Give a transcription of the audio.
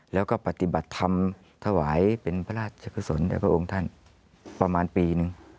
แล้วก็ปฏิบัติธรรมถวายเป็นพระราชกุศลแด่พระองค์ท่านประมาณปีหนึ่ง